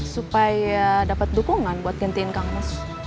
supaya dapat dukungan buat gantiin kang nus